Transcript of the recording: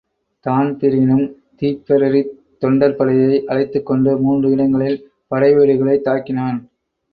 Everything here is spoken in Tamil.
தான்பிரீனும் திப்பெரரித் தொண்டர்படையை அழைத்துக்கொண்டு மூன்று இடங்களில் படைவீடுகளைத்தாக்கினான்.